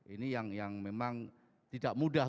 ini yang memang tidak mudah